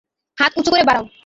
হাত উচু করে বাড়াও।